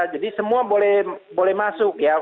jadi semua boleh boleh masuk ya